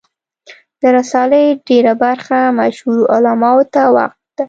د رسالې ډېره برخه مشهورو علماوو ته وقف ده.